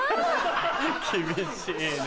厳しいね。